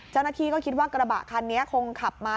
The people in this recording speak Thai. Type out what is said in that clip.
จันทีก็คิดว่ากระบะคันนี้คงขับมา